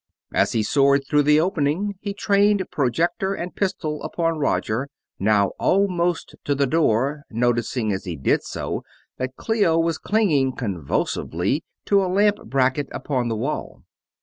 As he soared through the opening he trained projector and pistol upon Roger, now almost to the door, noticing as he did so that Clio was clinging convulsively to a lamp bracket upon the wall.